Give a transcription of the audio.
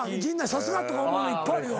さすがとか思うのいっぱいあるよ